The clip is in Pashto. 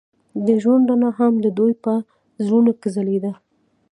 د ژوند رڼا هم د دوی په زړونو کې ځلېده.